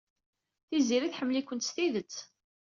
Tiziri tḥemmel-ikent s tidet.